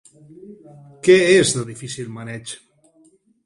Què és de difícil maneig?